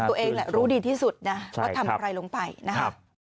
ตัวเองแหละรู้ดีที่สุดนะว่าทำอะไรลงไปนะครับ